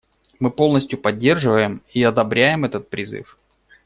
Мы полностью поддерживаем и одобряем этот призыв.